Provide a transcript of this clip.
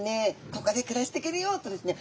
ここで暮らしていけるよ」とですね